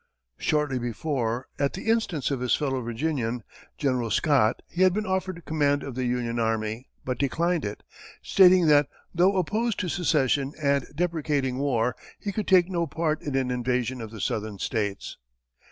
Shortly before, at the instance of his fellow Virginian, General Scott, he had been offered command of the Union army, but declined it, stating that, though opposed to secession and deprecating war, he could take no part in an invasion of the southern states.